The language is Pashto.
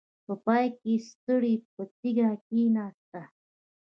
په پای کې ستړې په تيږه کېناسته.